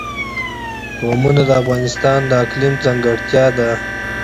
قومونه د افغانستان د اقلیم ځانګړتیا ده.